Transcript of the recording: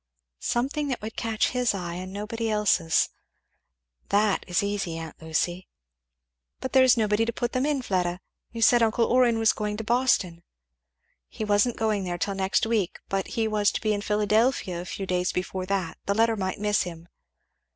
"Something that would catch his eye and nobody's else that is easy, aunt Lucy." "But there is nobody to put them in, Fleda, you said uncle Orrin was going to Boston " "He wasn't going there till next week, but he was to be in Philadelphia a few days before that the letter might miss him."